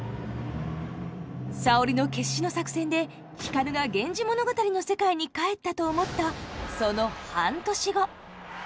沙織の決死の作戦で光が「源氏物語」の世界に帰ったと思ったその半年後。